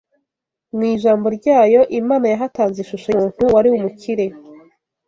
Mu ijambo ryayo, Imana yahatanze ishusho y’umuntu wari umukire